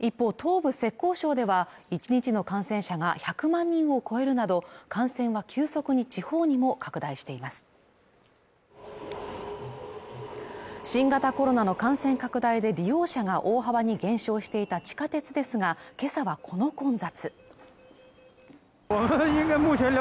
一方東部浙江省では１日の感染者が１００万人を超えるなど感染は急速に地方にも拡大しています新型コロナの感染拡大で利用者が大幅に減少していた地下鉄ですが今朝はこの混雑